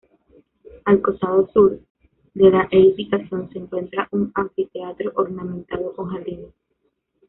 Al costado sur de la edificación se encuentra un anfiteatro ornamentado con jardines.